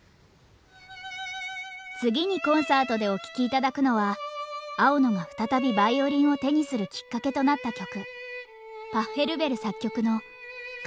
次にコンサートでお聴き頂くのは青野が再びヴァイオリンを手にするきっかけとなった曲。